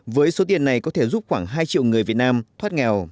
với số tiền này có thể giúp khoảng hai triệu người việt nam thoát nghèo